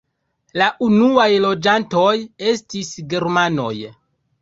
La unuaj loĝantoj estis germanoj.